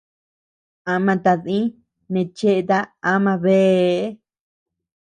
Ama tadii neʼe cheeta ama beâ.